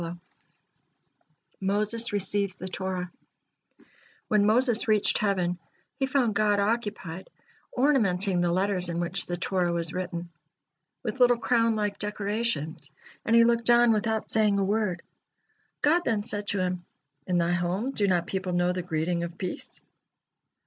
MOSES RECEIVES THE TORAH When Moses reached heaven, he found God occupied ornamenting the letters in which the Torah was written, with little crown like decorations, and he looked on without saying a word. God then said to him: "In thy home, do not people know the greeting of peace?"